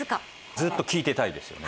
ずっと聞いてたいですよね